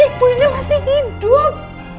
ibu ini masih hidup